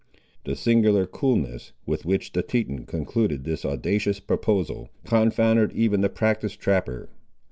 The singular coolness, with which the Teton concluded this audacious proposal, confounded even the practised trapper.